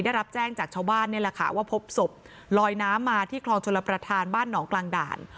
ได้รับแจ้งจากชาวบ้านนี่แหละค่ะว่าพบศพลอยน้ำมาที่คลองชลประธานบ้านหนองกลางด่าน